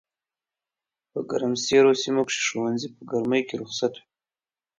په ګرمسېرو سيمو کښي ښوونځي په ګرمۍ کي رخصت وي